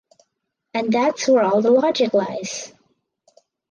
And that’s where all the logic lies!